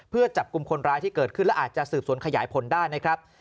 เพื่อจับกลุ่มคนร้ายที่เกิดขึ้นและอาจจะสืบสวนขยายผลได้นะครับ